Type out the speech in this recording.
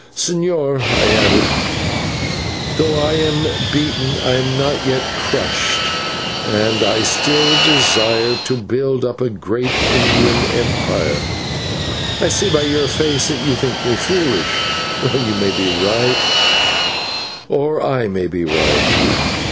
"Señor," I added, "though I am beaten I am not yet crushed, and I still desire to build up a great Indian empire. I see by your face that you think me foolish. You may be right or I may be right.